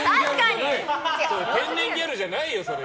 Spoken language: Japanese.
天然ギャルじゃないよ、それ。